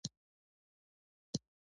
خپل کور کې هرڅه پريمانه وي.